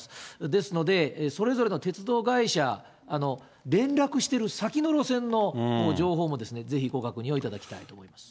ですので、それぞれの鉄道会社、連絡している先の路線の情報も、ぜひご確認をいただきたいと思います。